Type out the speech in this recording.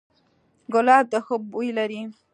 ګلاب ښه بوی لري